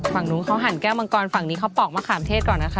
ฝั่งนู้นเขาหั่นแก้วมังกรฝั่งนี้เขาปอกมะขามเทศก่อนนะคะ